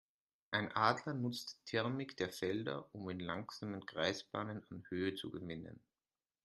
Ein Adler nutzt die Thermik der Felder, um in langsamen Kreisbahnen an Höhe zu gewinnen.